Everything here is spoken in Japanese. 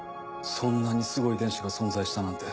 そんなにすごい遺伝子が存在したなんて。